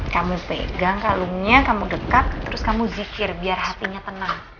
kamu pegang kalungnya kamu dekat terus kamu zikir biar hatinya tenang